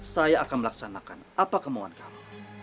saya akan melaksanakan apa kemohonan kamu